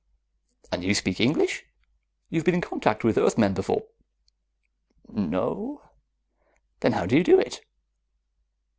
"And you speak English? You've been in contact with Earthmen before?" "No." "Then how do you do it?"